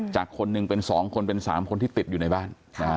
จากคนหนึ่งเป็น๒คนเป็น๓คนที่ติดอยู่ในบ้าน